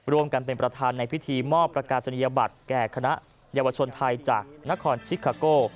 ร่วมกันเป็นประธานในพิธีมอบประกาศนียบัตรแก่คณะเยาวชนไทยจากนครชิคาโก้